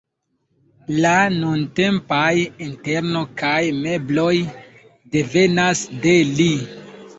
La nuntempaj interno kaj mebloj devenas de li.